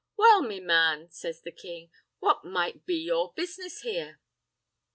"Well, me man," says the king, "what might be your business here?"